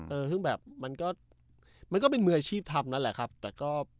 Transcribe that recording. เออซึ่งแบบมันก็มันก็เป็นมืออาชีพทำนั่นแหละครับแต่ก็